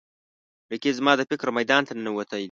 رقیب زما د فکر میدان ته ننوتی دی